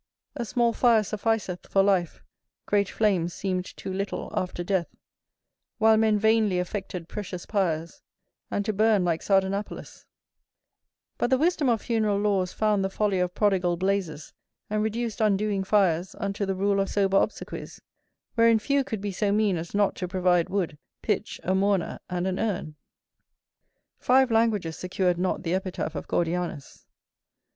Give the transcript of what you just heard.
A small fire sufficeth for life, great flames seemed too little after death, while men vainly affected precious pyres, and to burn like Sardanapalus; but the wisdom of funeral laws found the folly of prodigal blazes and reduced undoing fires unto the rule of sober obsequies, wherein few could be so mean as not to provide wood, pitch, a mourner, and an urn. Five languages secured not the epitaph of Gordianus.